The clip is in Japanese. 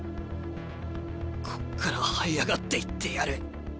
こっからはい上がっていってやる。